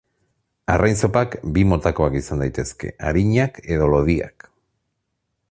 Arrain zopak bi motakoak izan daitezke: arinak edo lodiak.